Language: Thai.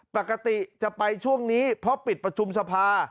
ปกติจะไปช่วงนี้เพราะปิดประชุมสภา